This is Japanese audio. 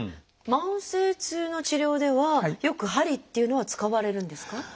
慢性痛の治療ではよく鍼っていうのは使われるんですか？